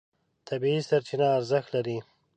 طبیعي سرچینه ارزښت لري.